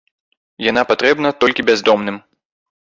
Яна патрэбна толькі бяздомным.